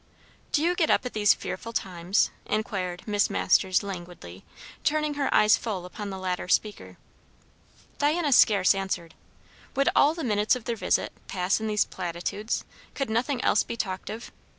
"Do you get up at these fearful times?" inquired Miss Masters languidly, turning her eyes full upon the latter speaker. Diana scarce answered. Would all the minutes of their visit pass in these platitudes? could nothing else be talked of?